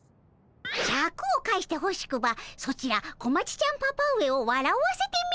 シャクを返してほしくばソチら小町ちゃんパパ上をわらわせてみよ。